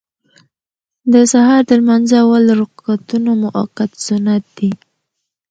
د سهار د لمانځه اول رکعتونه مؤکد سنت دي.